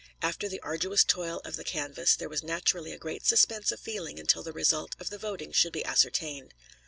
After the arduous toil of the canvass, there was naturally a great suspense of feeling until the result of the voting should be ascertained.